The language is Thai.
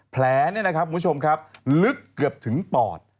แผลมุมชมครับลึกเกือบถึงปอด